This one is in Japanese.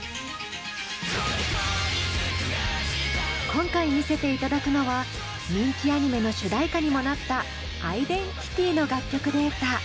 今回見せていただくのは人気アニメの主題歌にもなった「アイデンティティ」の楽曲データ。